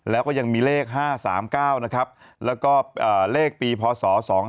แล้วก็ยังมีเลข๕๓๙นะครับแล้วก็เลขปีพศ๒๕๖